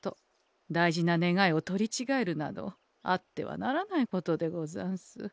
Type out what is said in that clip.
大事な願いを取りちがえるなどあってはならないことでござんす。